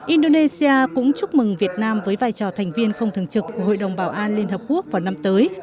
indonesia cũng chúc mừng việt nam với vai trò thành viên không thường trực của hội đồng bảo an liên hợp quốc vào năm tới